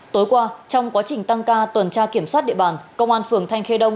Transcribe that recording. tối qua trong quá trình tăng ca tuần tra kiểm soát địa bàn công an phường thanh khê đông